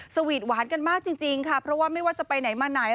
สวีทหวานกันมากจริงค่ะเพราะว่าไม่ว่าจะไปไหนมาไหน